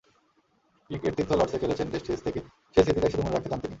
ক্রিকেট-তীর্থ লর্ডসে খেলেছেন—টেস্ট series থেকে সেই স্মৃতিটাই শুধু মনে রাখতে চান তিনি।